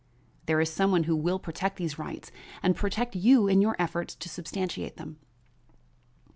There is some one who will protect these rights and protect you in your efforts to substantiate them."